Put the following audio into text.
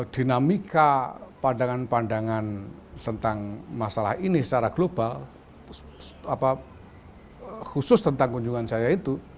dinamika pandangan pandangan tentang masalah ini secara global khusus tentang kunjungan saya itu